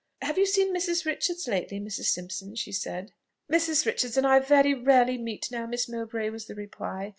"Have you seen Mrs. Richards lately, Mrs. Simpson?" she said. "Mrs. Richards and I very rarely meet now, Miss Mowbray," was the reply.